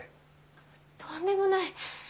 とんでもない。